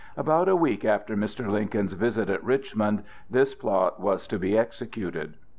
About a week after Mr. Lincoln's visit at Richmond this plot was to be executed.